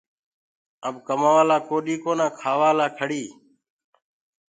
اب ڪمآوآ لآ ڪوڏيٚ ڪونآ کآوآ لآ کڙيٚ